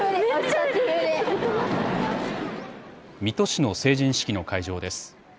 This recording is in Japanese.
水戸市の成人式の会場です。